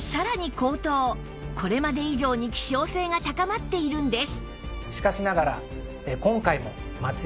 これまで以上に希少性が高まっているんです